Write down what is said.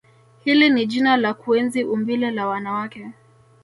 Hili ni jina la kuenzi umbile la wanawake